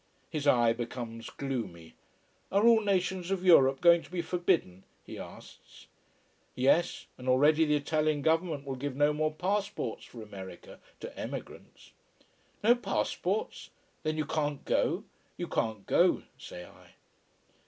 His eye becomes gloomy. Are all nations of Europe going to be forbidden? he asks. Yes and already the Italian Government will give no more passports for America to emigrants. No passports? then you can't go? You can't go, say I.